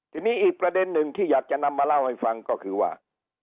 ทีนี้อีกประเด็นหนึ่งที่อยากจะนำมาเล่าให้ฟังก็คือว่า